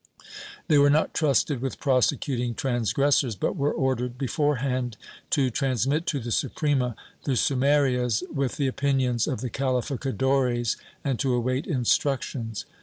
They were not trusted with prosecuting transgressors, but were ordered, beforehand, to transmit to the Suprema the sumarias with the opinions of the calificadores, and to await instructions.